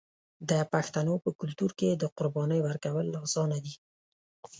د پښتنو په کلتور کې د قربانۍ ورکول اسانه دي.